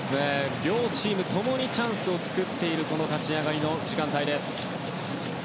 両チーム共にチャンスを作っている立ち上がりの時間帯です。